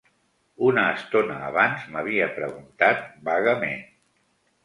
Una estona abans, m'havia preguntat, vagament